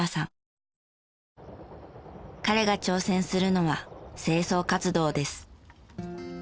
彼が挑戦するのは清掃活動です。